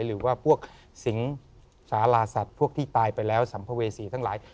หรือว่าพวกสิงสาราสัตว์พวกที่ตายไปแล้วสัมภเวษีทั้งหลาย